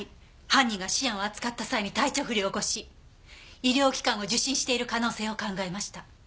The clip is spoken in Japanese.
犯人がシアンを扱った際に体調不良を起こし医療機関を受診している可能性を考えました。